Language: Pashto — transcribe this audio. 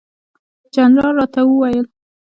جنرال راته وویل.